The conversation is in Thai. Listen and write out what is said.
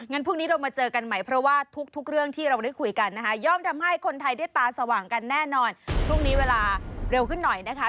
งั้นพรุ่งนี้เรามาเจอกันใหม่เพราะว่าทุกเรื่องที่เราได้คุยกันนะคะ